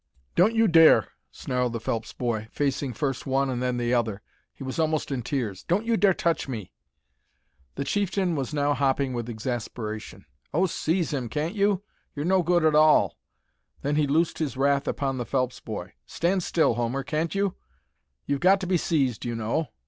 "Don't you dare!" snarled the Phelps boy, facing first one and then the other; he was almost in tears "don't you dare touch me!" The chieftain was now hopping with exasperation. "Oh, seize him, can't you? You're no good at all!" Then he loosed his wrath upon the Phelps boy: "Stand still, Homer, can't you? You've got to be seized, you know.